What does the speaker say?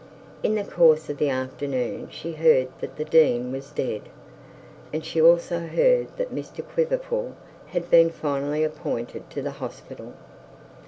In the course of the afternoon she heard that the dean was dead; and she also heard that Mr Quiverful had been finally appointed to the hospital.